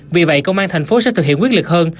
vì vậy công an thành phố sẽ thực hiện quyết liệt hơn